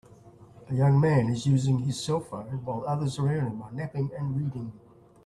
A young man is using his cellphone while others around him are napping and reading.